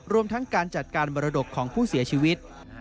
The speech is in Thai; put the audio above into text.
รวมทั้งการจัดการมรดกของผู้เสียชีวิต